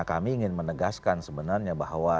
kami ingin menegaskan sebenarnya bahwa